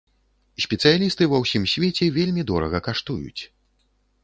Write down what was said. Спецыялісты ва ўсім свеце вельмі дорага каштуюць.